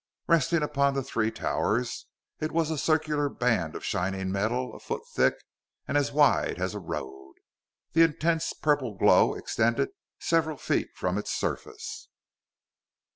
Resting upon the three towers, it was a circular band of shining metal a foot thick and as wide as a road. The intense purple glow extended several feet from its surface.